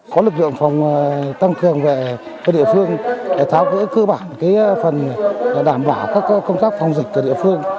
có lực lượng phòng tăng cường về địa phương để tháo cưỡng cơ bản phần đảm bảo các công tác phòng dịch của địa phương